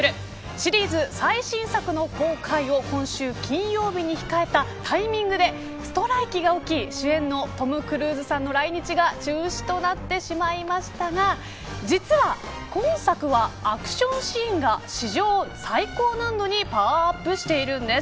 シリーズ最新作の公開を今週金曜日に控えたタイミングでストライキが起き主演のトム・クルーズさんの来日が中止となってしまいましたが実は今作はアクションシーンが史上最高難度にパワーアップしているんです。